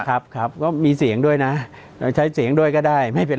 ครับครับก็มีเสียงด้วยนะเราใช้เสียงด้วยก็ได้ไม่เป็น